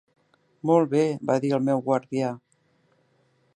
"Molt bé," va dir el meu guardià.